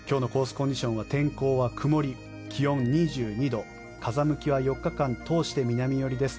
コンディションは天候は曇り、気温２２度風向きは４日間通して南寄りです。